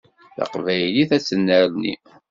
Taqbaylit ad tennerni.